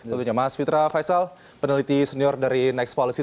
tentunya mas fitra faisal peneliti senior dari next policy